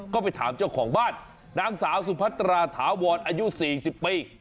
ก็ไปถามเจ้าของบ้านนางสาวสุพัตราถาวรอายุ๔๐ปี